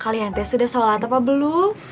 kalian sudah sholat apa belum